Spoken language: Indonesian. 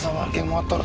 sama geng motor